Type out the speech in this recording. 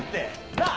なあ。